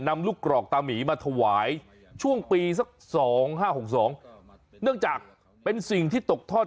นำลูกกรอกตามีมาถวายช่วงปีสัก๒๕๖๒เนื่องจากเป็นสิ่งที่ตกทอด